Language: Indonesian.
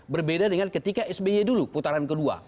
berbeda dengan ketika sby dulu putaran kedua